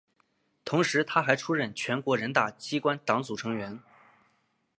同时她还出任全国人大机关党组成员。